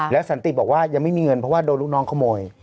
แล้วสันติบอกว่ายังไม่มีเงินเพราะว่าโดนลูกน้องขโมย